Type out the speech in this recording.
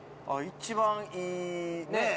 一番いいねぇ？